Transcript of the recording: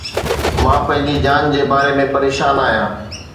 مان پنهنجي جان جي باري ۾ پريشان آهيان.